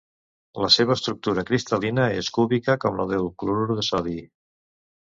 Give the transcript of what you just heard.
La seva estructura cristal·lina és cúbica com la del clorur de sodi.